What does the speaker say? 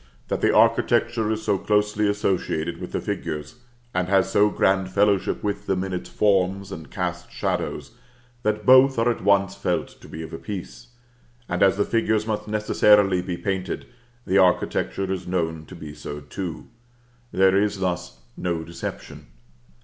That the architecture is so closely associated with the figures, and has so grand fellowship with them in its forms and cast shadows, that both are at once felt to be of a piece; and as the figures must necessarily be painted, the architecture is known to be so too. There is thus no deception.